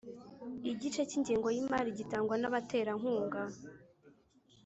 Igice cy’ingengo y’imari gitangwa n’abaterankunga